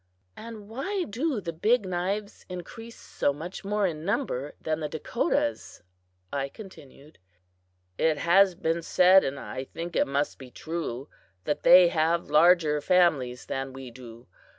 "And why do the Big Knives increase so much more in number than the Dakotas?" I continued. "It has been said, and I think it must be true, that they have larger families than we do.